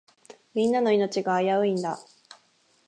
みんなの命が危ういんだ。